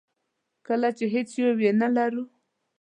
کله هم هېڅ یو یې نه ولرو.